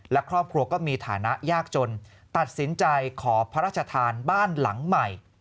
และครอบครัวก็มีฐานะยากจนตัดสินใจขอพระราชทานบ้านหลังใหม่